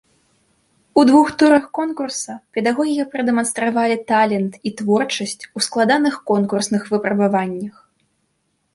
У двух турах конкурса педагогі прадэманстравалі талент і творчасць у складаных конкурсных выпрабаваннях.